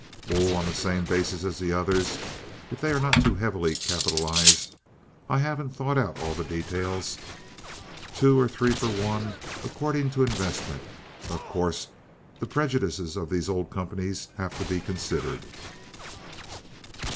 "On the same basis as the others, if they are not too heavily capitalized. I haven't thought out all the details. Two or three for one, according to investment. Of course, the prejudices of these old companies have to be considered."